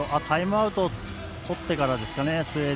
タイムアウトをとってからですかね。